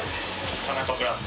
「田中」ブランド。